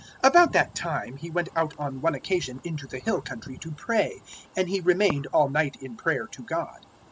006:012 About that time He went out on one occasion into the hill country to pray; and He remained all night in prayer to God.